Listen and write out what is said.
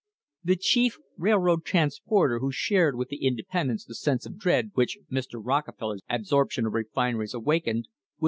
" The chief "railroad transporter" who shared with the inde pendents the sense of dread which Mr. Rockefeller's absorp tion of refineries awakened was Mr. Potts himself.